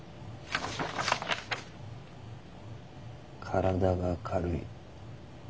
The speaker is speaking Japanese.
「身体が軽い。